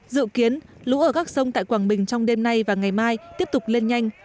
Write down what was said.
dự kiến lũ ở các sông tại quảng bình trong đêm nay và ngày mai tiếp tục lên nhanh